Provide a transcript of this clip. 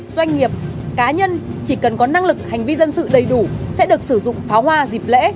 doanh nghiệp cá nhân chỉ cần có năng lực hành vi dân sự đầy đủ sẽ được sử dụng pháo hoa dịp lễ